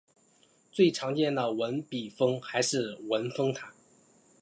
最常见的文笔峰还是文峰塔。